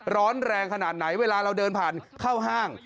ร้อนแรงขนาดไหนเวลาเราเดินผ่านเข้าห้าง